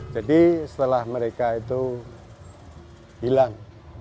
jadi setelah mereka itu hilang